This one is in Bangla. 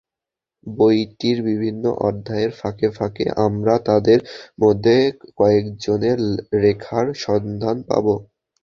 বইটির বিভিন্ন অধ্যায়ের ফাঁকে ফাঁকে আমরা তাঁদের মধ্যে কয়েকজনের রেখার সন্ধান পাব।